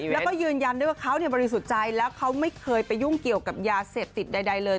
แล้วก็ยืนยันได้ว่าเขาบริสุจัยและไม่เคยไปยุ่งเกี่ยวกับยาเสพติดใดเลย